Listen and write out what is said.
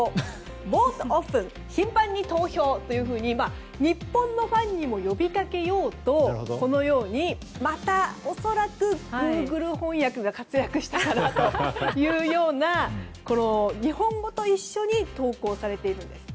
ボートオフン頻繁に投票というふうに日本のファンにも呼びかけようとこのようにまた、恐らくグーグル翻訳が活躍したかなというような日本語と一緒に投稿されているんです。